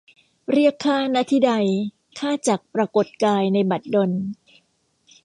เรียกข้า ณ ที่ใด ข้าจักปรากฎกายในบัดดล